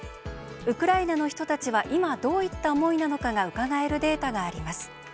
ウクライナの人たちは今どういった思いなのかがうかがえるデータがあります。